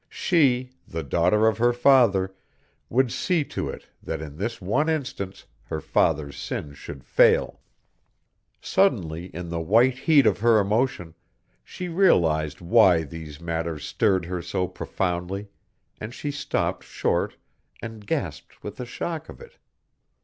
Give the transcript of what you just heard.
She, the daughter of her father, would see to it that in this one instance her father's sin should fail! Suddenly, in the white heat of her emotion, she realized why these matters stirred her so profoundly, and she stopped short and gasped with the shock of it.